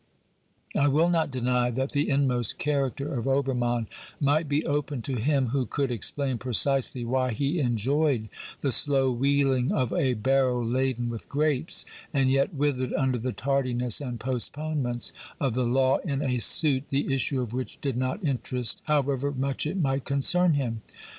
I will not deny that the inmost character of Obermann might be open to him who could explain precisely why he enjoyed the slow wheeling of a barrow laden with grapes, and yet withered under the tardiness and postponements of the law in a suit the issue of which did not interest, however much it might concern him.